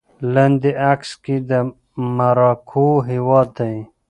لاندې عکس کې د مراکو هېواد دی